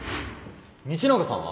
道永さんは？